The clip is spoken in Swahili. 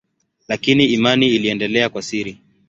Lakini imani iliendelea kwa siri.